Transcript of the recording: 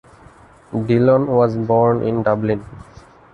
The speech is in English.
Dillon was born in Dublin.